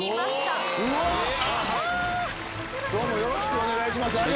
よろしくお願いします。